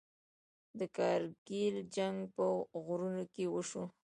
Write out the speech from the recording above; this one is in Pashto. د کارګیل جنګ په غرونو کې وشو.